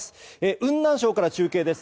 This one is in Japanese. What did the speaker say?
雲南省から中継です。